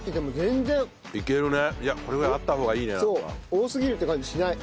多すぎるって感じしない。